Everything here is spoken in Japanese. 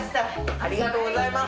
ありがとうございます。